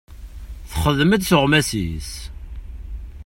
Texdem-d tuɣmas-is.